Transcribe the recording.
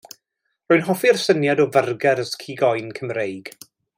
Rwy'n hoffi'r syniad o fyrgars cig oen Cymreig.